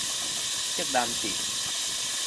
竹南鎮